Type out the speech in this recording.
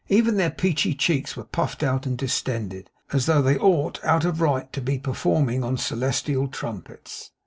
Even their peachy cheeks were puffed out and distended, as though they ought of right to be performing on celestial trumpets.